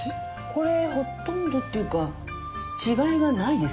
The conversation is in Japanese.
これほとんどというか違いがないですよね。